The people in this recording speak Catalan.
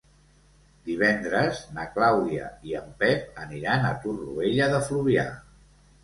Divendres na Clàudia i en Pep aniran a Torroella de Fluvià.